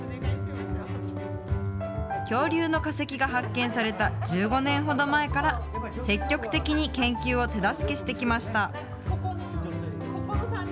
恐竜の化石が発見された１５年ほど前から、積極的に研究を手助けしてきました。